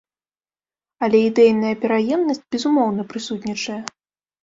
Але ідэйная пераемнасць, безумоўна, прысутнічае.